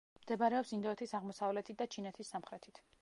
მდებარეობს ინდოეთის აღმოსავლეთით და ჩინეთის სამხრეთით.